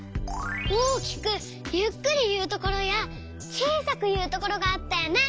大きくゆっくりいうところやちいさくいうところがあったよね。